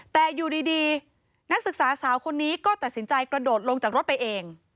แต่อยู่ดีนักศึกษาสาวคนนี้ก็ตัดสินใจกระโดดลงจากรถไปเอง